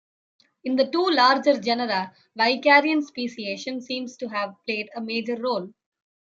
In the two larger genera, vicariant speciation seems to have played a major role.